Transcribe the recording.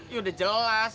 ya udah jelas